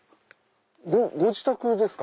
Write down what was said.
ご自宅ですか？